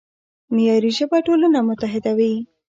معیاري ژبه ټولنه متحدوي.